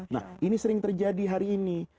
nah ini sering terjadi hari ini